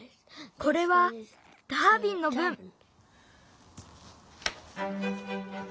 これはダービンのぶん。